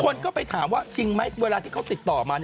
คนก็ไปถามว่าจริงไหมเวลาที่เขาติดต่อมา